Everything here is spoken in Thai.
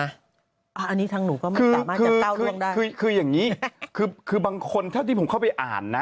อ่าอันนี้ทางหนูก็คือคือคือคือคืออย่างงี้คือคือบางคนถ้าที่ผมเข้าไปอ่านนะ